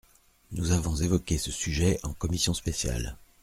Nous avons évoqué ce sujet en commission spéciale.